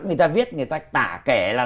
người ta viết người ta tả kẻ là